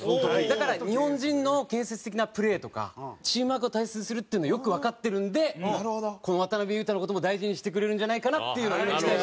だから日本人の建設的なプレーとかチームワークを大切にするっていうのをよくわかってるんでこの渡邊雄太の事も大事にしてくれるんじゃないかなっていうのを今期待してる。